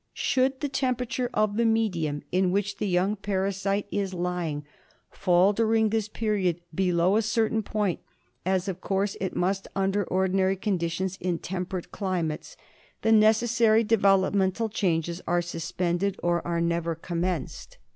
Should the temperature of the medium in which the young parasite is lying fall during this period below a certain point, as of course it must under ordinary con ditions in temperate climates, the necessary develop mental changes are suspended or are never commenced.